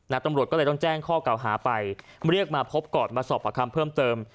ตำรวจก็เลยต้องแจ้งข้อเก่าหาไปเรียกมาพบก่อนมาสอบประคำเพิ่มเติม